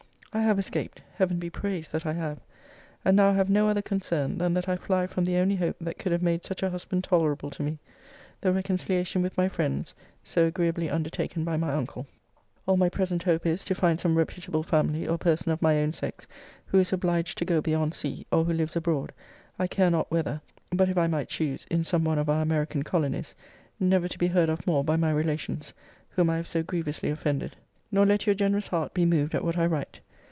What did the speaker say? I have escaped Heaven be praised that I have! And now have no other concern, than that I fly from the only hope that could have made such a husband tolerable to me; the reconciliation with my friends, so agreeably undertaken by my uncle. All my present hope is, to find some reputable family, or person of my own sex, who is obliged to go beyond sea, or who lives abroad; I care not whether; but if I might choose, in some one of our American colonies never to be heard of more by my relations, whom I have so grievously offended. Nor let your generous heart be moved at what I write.